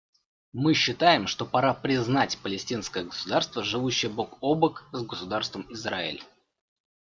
Мы считаем, что пора признать палестинское государство, живущее бок о бок с Государством Израиль.